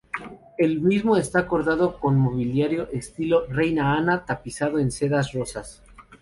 El mismo está decorado con mobiliario estilo "Reina Ana" tapizado en sedas rosas.